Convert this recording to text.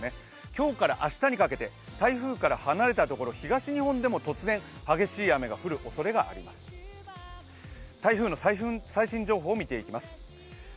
今日から明日にかけて、台風から離れたところ、東日本でも突然、激しい雨が降るおそれがありまする台風の最新情報を見てきます。